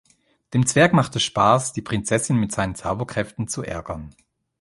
Dem Zwerg macht es Spaß, die Prinzessin mit seinen Zauberkräften zu ärgern.